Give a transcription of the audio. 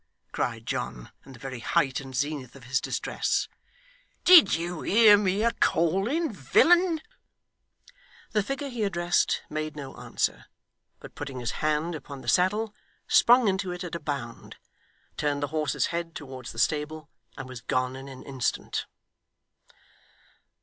cried John, in the very height and zenith of his distress. 'Did you hear me a calling, villain?' The figure he addressed made no answer, but putting his hand upon the saddle, sprung into it at a bound, turned the horse's head towards the stable, and was gone in an instant.